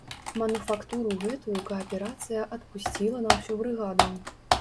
Мануфактуру гэтую кааперацыя адпусціла на ўсю брыгаду.